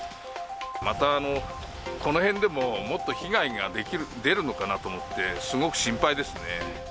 またこの辺でももっと被害が出るのかなと思って、すごく心配ですね。